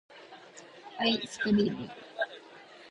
愛♡スクリ～ム!